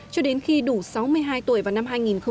cho đến khi đủ sáu mươi hai tuổi vào năm hai nghìn hai mươi tám